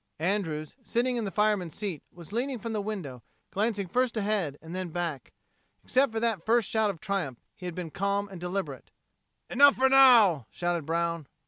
Andrews, sitting in the fireman's seat, was leaning from the window, glancing first ahead and then back. Except for that first shout of triumph, he had been calm and deliberate. "Enough for now," shouted Brown.